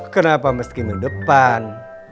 kenapa mesti minggu depan